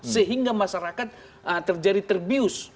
sehingga masyarakat terjadi terbius